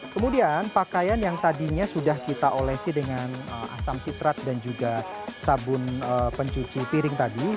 kemudian pakaian yang tadinya sudah kita olesi dengan asam sitrat dan juga sabun pencuci piring tadi